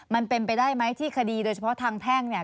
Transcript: มันเป็นไปได้ไหมที่คดีโดยเฉพาะทางแพ่งเนี่ย